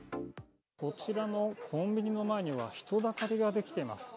こちらのコンビニの前には、人だかりが出来てます。